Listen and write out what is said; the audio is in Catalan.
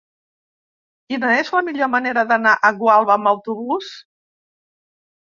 Quina és la millor manera d'anar a Gualba amb autobús?